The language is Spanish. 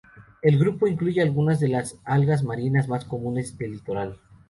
El grupo incluye algunas de las algas marinas más comunes del litoral.